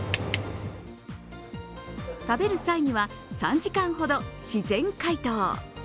食べる際には３時間ほど自然解凍。